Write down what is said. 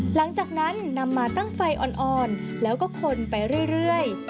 หลังจากนั้นนำมาตั้งไฟอ่อนแล้วก็คนไปเรื่อย